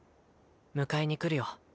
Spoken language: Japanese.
迎えに来るよ